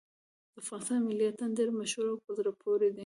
د افغانستان ملي اتڼ ډېر مشهور او په زړه پورې دی.